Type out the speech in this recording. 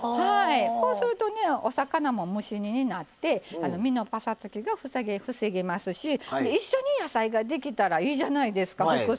こうするとねお魚も蒸し煮になって身のぱさつきが防げますし一緒に野菜ができたらいいじゃないですか副菜。